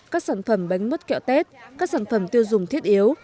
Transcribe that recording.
các sản phẩm bánh mứt kẹo tết các sản phẩm tiêu dùng thiết yếu